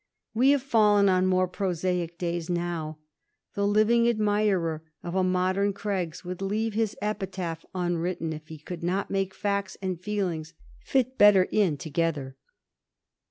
We have fallen on more prosaic days now ; the living admirer of a modem Craggs would leave his epitaph unwritten if he could not make facts and feelings fit better in together.